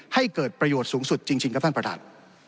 ให้เกิดประโยชน์สูงสุดจริงครับท่านประธาน